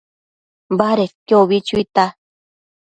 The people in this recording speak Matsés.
Badedquio ubi chuita